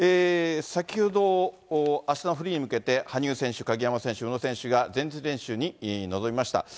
先ほど、あしたのフリーに向けて羽生選手、鍵山選手、宇野選手が前日練習に臨みました。